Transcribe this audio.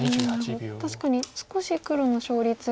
確かに少し黒の勝率が。